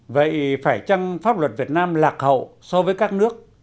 vậy phải chăng pháp luật việt nam lạc hậu so với các nước